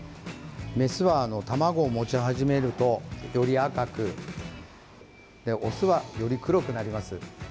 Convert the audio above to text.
メスは卵を持ち始めるとより赤くオスは、より黒くなります。